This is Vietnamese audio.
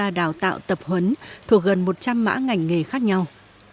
tham gia đào tạo tập huấn thuộc gần một trăm linh mã ngành nghề khác nhau